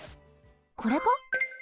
これか？